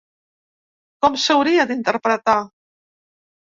Com s’hauria d’interpretar?